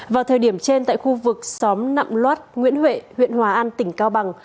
vào thời điểm trên tại khu vực xóm nậm loát nguyễn huệ huyện hòa an tỉnh cao bằng